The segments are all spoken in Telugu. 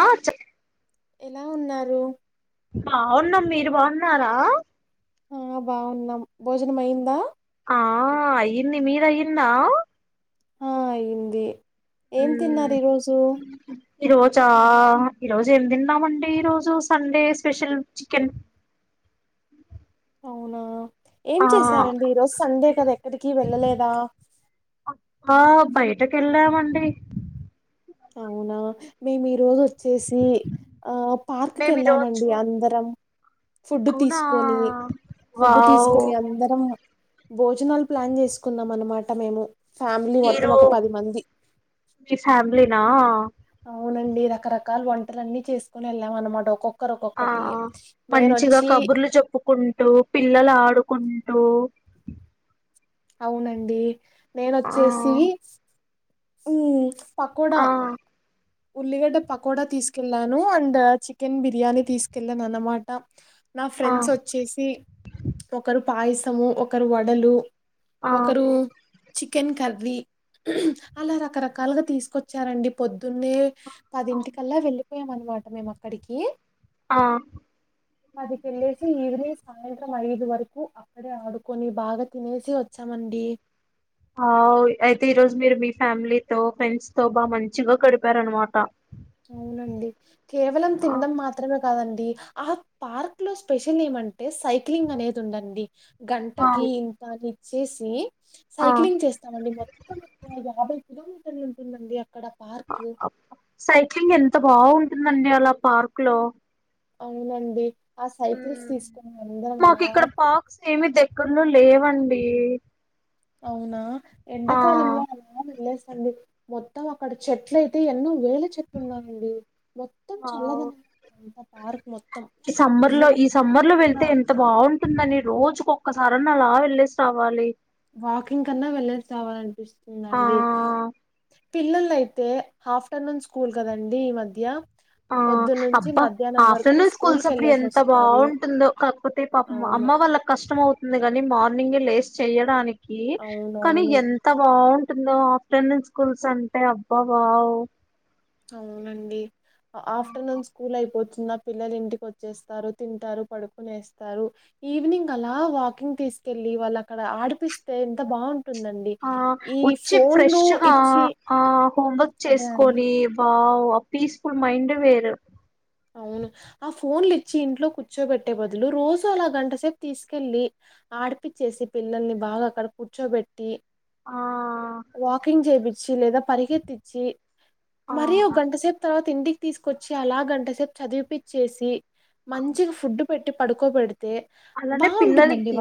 ఆ చె ఎలా ఉన్నారు బవున్నాం మీరు బాగున్నారా ఆ బాగున్నాం భోజనం అయిందా ఆ అయింది మిది అయిందా ఆ అయింది ఏం మ్మ్ తిన్నారు ఈరోోజు ఈ రోజా ఈరోజు ఏమి తిన్నామండి ఈరోోజు సండే స్పెషల్ చికెన్ అవునా ఏం ఆ చేశారండి ఈరోోజు సండే కదా ఎక్కడికి వెళ్ళలేదా ఆ బయటకి ఇళామండి అవునా మేము ఈ రోజు వ చేసి ఆ పార్క్ క మేము ఈరోజు వెళ్ళామండి అందరం ఫుడ్ అవునా తీసుకొని ఫుడ్ వావ్ తీసుకొని అందరం భోజనాలు ప్లాన్ చేసుకున్నాం అన్నమాట మేము ఫ్యామిలీ మొత్తం మీరు ఒక పది మంది మీ ఫ్యామిలీనా అవునండి రకరకాల వంటల అన్నీ చేసుకుొని వెళ్ళాం అన్నమాట ఒక్కొక్క ఒక్కరు ఒక్క ఆ ఒక్కటి మంచిగా కబుర్లు చెప్పుకుంటూ పిల్లల పడుకుంటూ అవునండి నేన ఆ వొచ్చేసి ఉ పకోడా ఆ ఉల్లిగడ్డ పకోడా తీసుకెళ్ళాను అండ్ చికెన్ బిర్యానీ తీసుకెళ్ళాను అన్నమాట నా ఆ ఫ్రెండ్స్ వచ్చేసి ఒకరు పాయసము ఒకరు వడలు ఆ ఒకరు చి చికెన్ కర్రీ అలా రకరకాలుగా తీసుకొచ్చారండి పొద్ దున్నే ఆ పదింటి కల్లా వెళ్లి పోయాం అనమాట మేము అక్కడికి ఆ పదికి వెళ్ళసి ఈవినింగ్ సాయంత్రం త్రం ఐదు వరకు అక్కడే ఆడుకొని బాగా తినేసి వచ్చామండి ఆ అయితే ఈ రోజు మీరు మీ ఫ్యామిలీతో ఫ్రెండ్స్ తో బాగా మంచిగా గడిపారనమాట అవునండి కేవలం ఆ తిండం మాత్రమే కాదండి ఆ పార్క్ లో స్పెషల్ ఏమంటే సైక్లింగ్ అనేది ఉండండి గంటకి అవు ఇంతా చేసి ఆ సైక్లింగ్ చేస్తామండి మొత్తం [unintelligible] యాభై [unintelligible] ఉంటుంది అండి అక్కడ పార్క్ అంత బాగుంటుందండి అలా పార్క్ లో అవునండి ఆ సైకిల్స్ తీసుకొని అందరం మాకు అలా ఇక్కడ పార్క్స్ ఏమి దగ్గరలో లేవండి అవునా ఆ ఎండకాలంలో అలా వెళ్ళేసి డి అండి మొత్తం అక్కడ చెట్లు అయితే ఎన్నో వేళ చెట్లున్నాయండి మొత్తం వావ్ చల్లదనం పార్క్ మొత్తం ఈ సమ్మర్ లో ఈ పిల్లలంతా సమ్మర్ లో చక్కగా వెళ్తే ఎంత బాగుంట ఉంటుందని రోజుక ఒక్కసారని అలా వెళ్లేేసి రావాలి వాకింగ్ కన్నా వెళ్ళేసి రావాలనిపిస్తుంది ఆ అండి పిల్లలయితే అతే హాఫ్టర్నూన్ స్కూల్ కదండి ఈ మధ్య ఆ పొద్దునుంచి అబ్బా మధ్యాహ్నం వరకు ఆఫ్టర్నూన్ స్కూల్ స్కూల్స్ అప్పుడు కెళ్ళేసి ఎంత వస్తారు బాగుంటుందో కాకపోతే పాపం అవును అమ్మ వాళ్ళకి కష్టం అవుతుంది కదా కానీ మార్నింగ్ లేస్ చేయడానికి కానీ అవునవును ఎంత బాగుంట ఉంటుందో ఆఫ్టర్నూన్ స్కూల్స్ అంటే అబ్బా వవ్ అవునండి ఆఫ్టర్నూన్ స్కూల్ అయిపోవచ్చు చిన్న పిల్లలు ఇంటికి వచ్చేస్తారు తింటారు పడుకునే వస్తారు ఈవినింగ్ అలా వాకింగ్ తీసుకెళ్ళలి వాళ్ళు అక్కడ ఆడిపిస్తే ఎంత బాగుంటు ఆ వచ్చి ఫ్రెష్గా ఇచ్చి ఆ హోంవర్క్ అదే అండి చేసుకొని వా పీస్ఫుల్ మైండ్ వేర అవును ఆ ఫోన్లు ఇచ్చి ఇంట్లో కూర్చోబెట్టే బదులు రోజు అలా గంటసేపు తీసుకెళ్ళలి ఆడిపిచ్చేసి పిల్లల్ని బాగా అక్కడ కూర్చోబెట్టి ఆ వాకింగ్ చేయిచ్చి లేదా పరిగెత్తించిి ఆ మరి ఒక గంట సేపు తర్వాత ఇంటికి తీసుకొచ్చి అలా గంట సేపు చదివిపిించేసి మంచిగా ఫుడ్ పెట్టి పడుకో పెడితే అలానే పిల్లలకి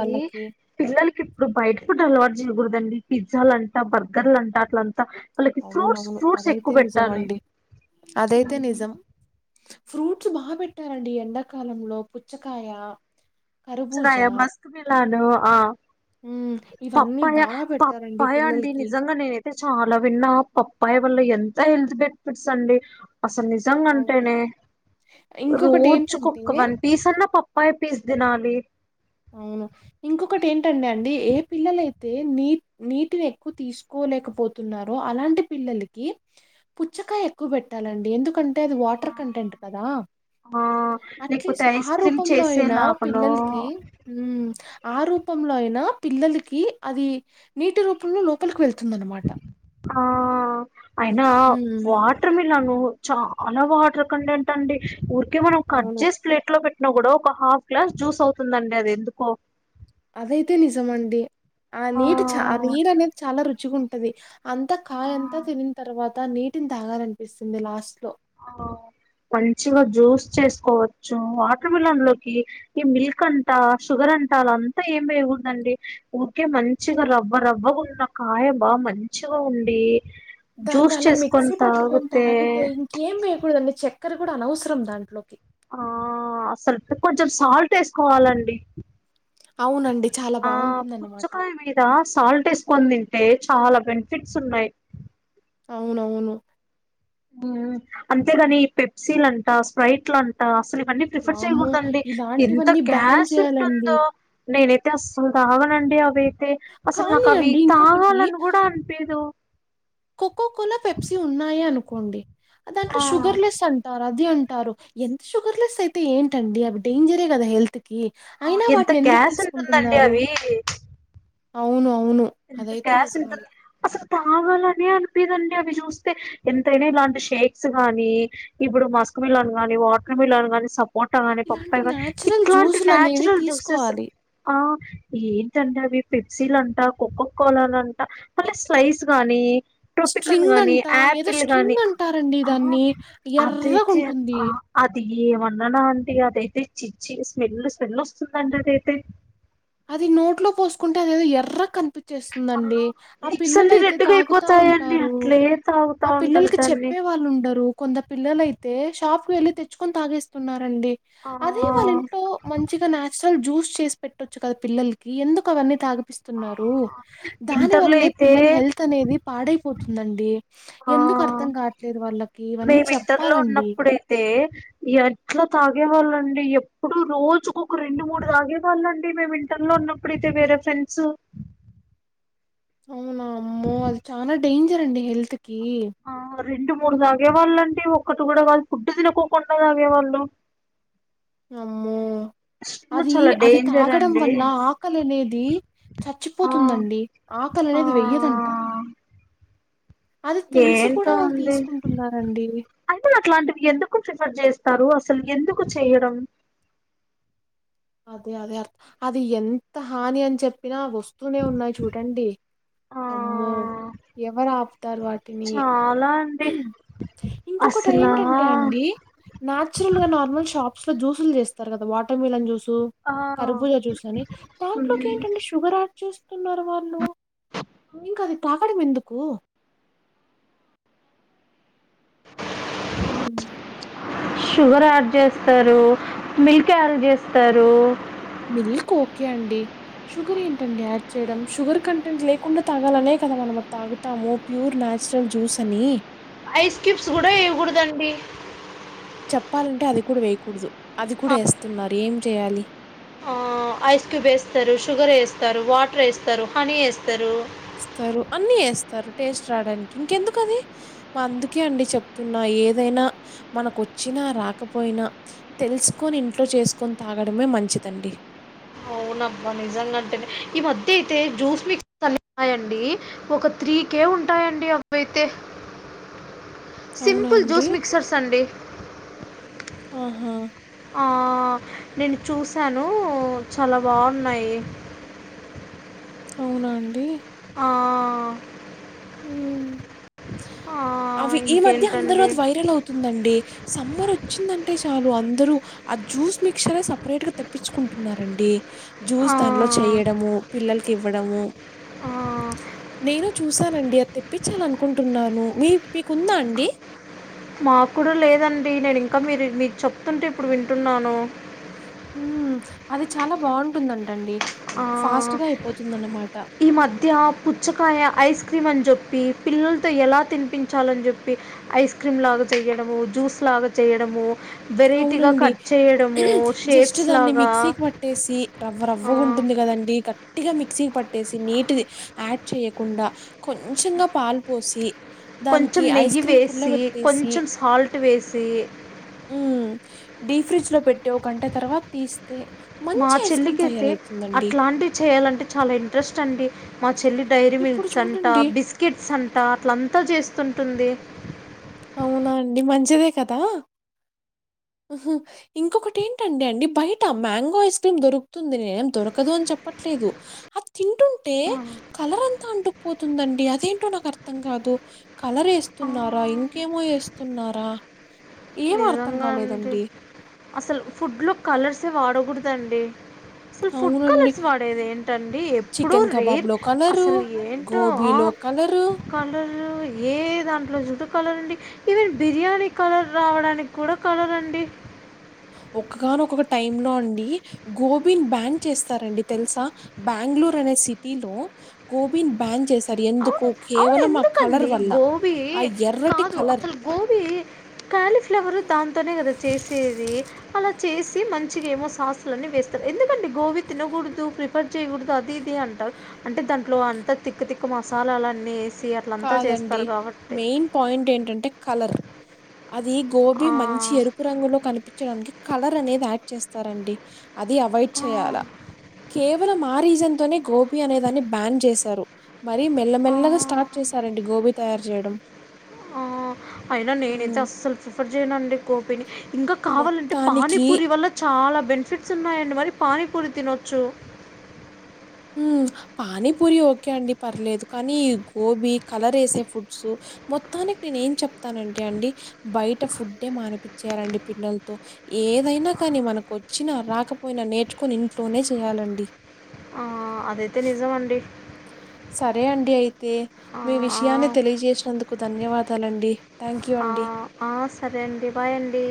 పిల్లలకి ఇప్పుడు బయట ఫుడ్ అలవాటు చేయకూడదండి పిజ్జాలంట బర్గర్ లంటాలా అంత అవునవును అదైతే నిజం అండి అదైతే నిజం ఫ్రూట్స్ బాగా పెట్టాలండీ ఎండాకాలంలో పుచ్చకాయ పుచ్చకాయ కర్బూజా మస్క్ మిలాను ఆ ఉమ్ ఇవన్నీ పప్పాయ బాగా పెట్టారండి పప్పాయ అండి పిల్లలకి నిజంగా నేనైతే చాలా విన్న పప్పాయి వల్ల ఎంత హెల్త్ బెనిఫిట్స్ అండి అసలు అవును నిజంగాంటేనే ఇంకొకటి ఏంటంటే రోజుకుక్క వన్ పీస్ అన్నా పప్పాయి పీస్ తినాలి అవును ఇంకొకటి ఏంటండి అండి ఏ పిల్లలైతే నీ నీటిని ఎక్కువ తీసుకోలేకపోతున్నారో అలాంటి పిల్లలకి పుచ్చకాయ ఎక్కువ పెట్టాలండి ఎందుకంటే అంటే అది వాటర్ కంటెంట్ కదా ఆ లేకపోతే అట్లీస్ట్ ఐస్ ఆ క్రీమ్ రూపంలో అయినా చేసేలాగనో పిల్లలకి మ్ ఆ రూపంలో అయినా పిల్లలకి అది నీటి రూపంలో లోపలికి వెళ్తుంది వందనమాట ఆ అయినా వాటర్ మీ చాలా వాటర్ కంటెంట్ అండి ఉ [unintelligible] మనం కట్ అవును చేసి ప్లేట్ లో పె కూడా ఒక హాఫ్ గ్లాస్ జ్యూస్ అవుతుందండి అది ఎందుకో అదైతే నిజమండి ఆ నీటి చ ఆ నీరు అనేది చాలా రుచిగా ఉం ది అంతా ఆ కాయంతా తినిన్ తర్వాత నీటిని తాగాలనిపిస్తుంది లాస్ట్ లో ఆ మంచిగా జ్యూస్ చేసుకోవచ్చు వాటర్ మిలన్ లోకి ఈ మిల్క్ అంతా షుగర్ అంతా అలా అంతా ఏమయకూడదండి ఊరికే మంచిగా రవ్వ రవ్వగా ఉన్న కాయ బాగా మంచిగా ఉండి జ్యూస్ దాన్నలా చేసుకొని తాగుతే ఏం వేయకూడద అన్ని చక్కెర కూడా అనవసరం దాంట్లోకి ఆ అసలు కొంచెం సాల్ట్ ఏసుకోవాలండి అవునండి చాలా ఆ బావుంటుందన్నమాట. పుచ్చుకాయ మీద సాల్ట్ వేస్ కొని తింటే చాలా బెనిఫిట్స్ ఉన్నాయి అవునవును అంతేగాని పెప్సీ లంట స్ప్రిటులంట అసలు మనీ ప్రిఫర్ వామ్మో! చేయకూడదండి ఎంత ఇలాంటివన్నీ బ్యాన్ గ్యాస్ చేయాలండి. ఉంటుందో నేనైతే అసలు తాగనండి అవి అతే అసలు కానీ నాకు అవి అండి ఇంకొకటి తాగాలని కూడా అనిపిదు కోకో కొలా పెప్సీ ఉన్నాయే అనుకోండి దాంట్లో ఆ షుగర్లెస్ అంటా అది అంటారు ఎంత షుగర్లెస్ అయితే ఏంటండి అవి డేంజరే కదా హెల్త్ ఆ, అయినా ఎంత వాటిని ఎందుకు గ్యాస్ ఉంటుందండి తీసుకుంటున్నారు అవి అవును అవును ఎంత అదైతే గాస్ నిజమండి [unintelligible] తాగాలని అనిపిదండి అవి చూస్తే ఎంతైనా ఇలాంటి షేక్స్ గానీ ఇప్పుడు మస్క్ మిల్లన్ గానీ వాటర్ మిల్లన్ కాని సబ్ పూట కాని ఇలాంటి పప్పాయి కానీ న్యాచురల్ ఇట్లాంటి జ్యూసులు అనేవి నన్చురల్ జ్యూసెస్ తీసుకోవాలి ఆ ఏ [unintelligible] కోకో కోలా అని అంట మళ్ళీ స్లైస్ గానీ టొపికన్ స్ట్రింగ్ గాని అంటా ఏదో యాపిల్ గాని స్ట్రింగ్ అంటారండి ఆహా దాన్ని అదైతే ఎర్రగుంటుంది ఆ అది ఏమన్నానా అంటీ అదైతే చిచ్చి స్మెల్ స్మెల్ వస్తుందండి అదైతే అది నోట్లో పోసుకుంటే అదేధోఎర్ర కని ఆ చేస్తుందండి ఆ లిప్స్ అన్ని పిల్లలయితే రెడ్డుగా తాగుతా అయిపోతాయండి ఉంటారు అట్లే తాగుతా ఆ ఉంటారు పిల్లలకి దాన్ని చెప్పే వాళ్ళు ఉండరు కొంత పిల్లలయితే షాప్ వెళ్ళి తెచ్చుకొని తాగిస్తున్నారు అండి ఆ అదే వాళ్ళ ఇంట్లో మంచిగా నాచ్ తల్ జూస్ చేసి పెట్ పెట్టచ్చు కదా పిల్లలకి ఎందుకు అవన్నీ తాగు ఇస్తున్నారు దాని ఇంటర్లో వల్లే అయితే పిల్లలు హెల్త్ అనేది పాడైపోతు వస్తుందండి ఆ ఇవన్నీ మేం ఇంటర్ లో చెప్పాలండి ఉన్నప్పుడు అయితే ఎట్లా తాగు గేవాళ్ళండి ఎప్పుడు రోజు ఒక రెండు మూడు తాగేవాళ్ళండి మేము ఇంటర్ లో ఉన్నప్పుడు అయితే వేరే ఫ్రెండ్స్ అవునా అమ్మో అది చానా డేంజ్ తర్ అండి హెల్త్ కి ఆ రెండు మూడు తాగేవాళ్ళ అండి ఒకటి కూడా కాదు ఫుడ్ తినకో కొండా తాగేవాళ్ళు ఆమ్మో అది చాలా అది డేంజర్ తాగడం అండి వల్ల ఆకలి అనేది ఆ చచ్చిపోతుందండి ఆకలి ఆ అనేది వెయ్యదంట అది తెలిసి కూడా ఏంటో వాళ్ళు అండి తీసుకుంటున్నారండి. అయితే అట్లాంటివి ఎందుకు ప్రిఫర్ చేస్తారు అస్ అసలు ఎందుకు చేయడం అదే అదే అర్థం అది ఎంత హాని అని చెప్పినా వసు తూనే ఉన్నాయి చూడండి ఆ ఆమ్మో ఎవరు ఆపుతారు వాటిని చాలా అండి ఇంకొకటి అసలా ఏంటంటే అండి నాచురల్ గా నార్మల్ షాప్ సో జ్యూసులు చేస్తారు కదా వాటర్ మిలన్ జ్యూస్ తో ఆ కర్బుజా జ్యూస్ అని దాంట్లోకి ఏంటండి షుగర్ చూస్తున్నారు వాళ్ళు ఇంకా అది తాగడం ఎందు కు ఊ షుగర్ యాడ్ చేస్తారు మిల్క్ యాడ్ చేస్తారు. మిల్క్ ఓకే అండి షుగర్ ఏంటండి యాడ్ చేయడం షుగర్ కంటెంట్ లేకుండా తాగాలనే కదా మనం అది తాగుతాము ప్యూర్ నాచురల్ జ్యూస్ అని ఐస్ క్యూబ్స్ కూడా వేయకూడదండి చెప్పాలంటే అది కూడా వేయకూడదు అది ఆ, కూడా ఏస్తున్నారు ఏం చేయాలి ఆ ఐస్ క్యూబ్ వేస్తారు షుగర్ ఏస్తారు వాటర్ ఏస్తారు హనీ ఏస్తారు వస్తారు అన్ని ఏస్తారు టేస్ట్ రావడానికి ఇంకెందుకు అది అందుకే అండి చెప్తున్నా ఏదైనా మనకు వచ్చినా రాకపోయినా తెలుసుకొని ఇంట్లో చేసుకొని తాగడమే మంచిదండి. అవును అబ్బా నిజంగా అంటే ఈ మధ్య అయితే జ్యూస్ మిక్సర్ అన్ని పాయే అండి ఒక త్రీ కేే ఉంటాయండి అవి అయితే అవునా సింపుల్ అండి? జ్యూస్ మిక్సర్స్ అండి ఆహా ఆ నేను చూశాను చాలా బాగున్నాయి. అవునా అండి. ఆ, హ్మ్. ఆ, అవి ఈ మధ్య అందరు ఇంకేంటండి అది వైరల్ అవుతుందండి సమ్మర్ వ వచ్చిందంటే చాలు అందరుూ ఆ జ్యూస్ మిక్చర్ సపరేట్ గా తెప్పించుకుంటున్నరు అండి జ్యూస్ ఆ, దానిలో చెయడము పిల్లల ఇవ్వడము ఆ, నేను చూసానండి అ తెప్పించాల అనుకుంటున్నాను మీ మీకుందా అండి. మాకు కూడా లేదండి నేను ఇంకా మీరు మీరు చెప్తుంటే ఇప్పుడు వింటున్నాను ఉ అది చాలా బాగుంటుందంట అండి ఆహ్ ఈ మధ్య పుచ్చకాయ ఐస్ క్రీమ్ అని చెప్పి పిల్లలతో ఎలా తినిపించాలని చెప్పి ఐస్ క్రీమ్ లాగా చెయడము జ్యూస్ లాగా చేయడము వెరైటీగా అవునండి కట్ చేయడము జస్ట్ షేప్స్ దాన్ని లాగా మిక్సీకి పట్టేసి రవ్వ ఆ, రవ్వగా ఉంటుంది కదం గట్టిగా మిక్సీకి పట్టేసి నీటి యాడ్ చేయకుండా కొంచంగా పాలు పోసి కొంచెం దానికి ఐస్ నెయ్యి క్రీమ్ పుల్ల వేసి కొంచెం సాల్ ల్ట్ వేసి ఉ డీ ఫ్రిడ్జ్ లో పెట్టే ఒగంట తర్వాత తీస్ మా చెల్లికైతే అట్లాంటివి చేయాలంటే చాలా ఇంట్రెస్ట్ అండి మా చెల్లి డైరీ ఇప్పుడు మిల్క్స్ అంట చూడండి బిస్కెట్స్ అంట అట్లా ఆన్ అంత చేస్తుంటుంది. అవునా అండి మంచిదే కదా ఉహ్మ్ ఇంకొకటి ఏంటండి అండి బయట మ్యాంగో ఐస్ క్రీమ్ దొరుకుతుంది నేం దొరకదు అని చెప్పట్లేదు ఆహ్ తింటుంటే కలర్ అంతా అంటుకుపోతుందండి అదేంటో నాకు అర్థం కాదు కలర్ ఆ వేస్తున్నారా ఇం కేమో వేస్తున్నారా నిజంగా అండి అసలు ఫుడ్ లో కలర్స్ [unintelligible] వాడకూడదండి అసలు ఫుడ్ అవునండి. కలర్స్ వాడేది ఏంటండి ఎప్పుడూ చికెన్ రేర్ కబాబ్‌లో కలరు, అసలు ఏంటో ఆ గోబీలో కలరు. కలర్ ఏ దాంట్లో జుటు కలర్ ఉండి ఈవెన్ బిర్యానీ కలర్ రావడానికి కూడా కలరండి ఒగాన ఒకక్కొ టైమ్ లో అండి గోబిన్ బ్యాన్ చేస్తారంండి తెలుసా బెంగళూరు అనే సిటీలో గోబిన్ బ్యాన్ చేస్తారు ఎందుకు అవును అవును కేవలం ఆ కలర్ ఎందుకండి వల్ల. గోబీ ఆ ఎర్రటి కాదు కలర్. అసలు గోబీ కాలీఫ్లవర్ దాంతోనే కదా చేసేది అలా చేసి మంచిగా ఏమో సాస్లు అన్నీ వేస్తారు ఎందుకంటడి గోబీ తినకూడదు ప్రిఫర్ చేయకూడదు అది ఇది అంటారు అంటే దాంట్లో అంతా తిక్క్క తిక్క్క మసాలాల అన్నీ కాదండి మెయిన్ పాయింట్ ఏంటంటే కలర్ అది గోబీ ఆ, మంచి ఎరుపు రంగులో కనిపించడానికి కలర్ అనేది యాడ్ చేస్తారండి అది అవయిడ్ ఆ, చేయాలా కేవలం ఆ రీజన్ తోనే గోబి అనే దాన్ని బ్యాన్ చేశారు మరి ఆ, మల్లమెల్లగా స్టార్ట్ చేశారండి గోబీ తయారు చేయడం ఆ అయినా నేనైతే ఉమ్, అస్సలు ప్రిఫర్ చేయనుండి గోబిని ఇంకా కావాలంటే మొత్తానికి పానీపూరి వల్ల చాలా బెనిఫిట్స్ ఉన్నాయండి మరి పానీపూరి తినొచ్చు హ్మ్ పానీపూరి ఓకే అండి పర్లేదు కానీ గోబీ కలరేసి ఫుడ్స్ మొత్తానికి నేను ఏం చెప్తానంటే అండి బయట ఫుడే మానిపిచ్చేయాలండి పిల్లలతో, ఏదైనా కానీ మనకు వచ్చినా రాకపోయినా నేర్చుకొని ఇంట్లోనే చేయాలండి. ఆ అదైతే నిజమండి సరే అండి అయ్ తే ఆ! మీ ఆ! విషయాన్ని తెలియజేసినందుకు ధన్యవాదాలండి థ్యాంక్ యూ ఆ! అండి ఆ! సరే అండి. బాయ్ అండి.